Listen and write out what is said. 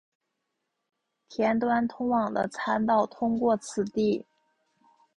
田端通往的参道通过此地。